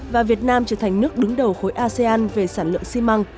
và việt nam trở thành nước đứng đầu khối asean về sản lượng xi măng